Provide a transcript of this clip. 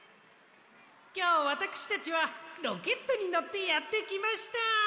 きょうわたくしたちはロケットにのってやってきました！